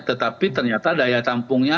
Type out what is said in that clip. tetapi ternyata daya tampungnya